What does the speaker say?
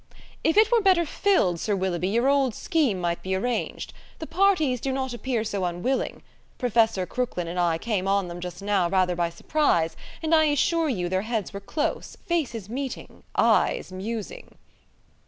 "If it were better filled, Sir Willoughby, your old scheme might be arranged. The parties do not appear so unwilling. Professor Crooklyn and I came on them just now rather by surprise, and I assure you their heads were close, faces meeting, eyes musing."